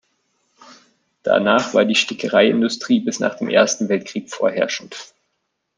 Danach war die Stickereiindustrie bis nach dem Ersten Weltkrieg vorherrschend.